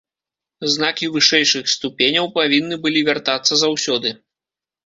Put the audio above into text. Знакі вышэйшых ступеняў павінны былі вяртацца заўсёды.